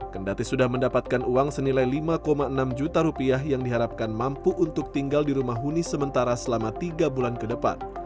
kendati sudah mendapatkan uang senilai lima enam juta rupiah yang diharapkan mampu untuk tinggal di rumah huni sementara selama tiga bulan ke depan